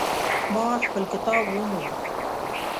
ما خپل کتاب وموند